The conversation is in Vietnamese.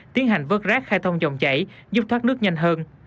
tiến hành vớt rác khai thông dòng chảy giúp thoát nước nhanh hơn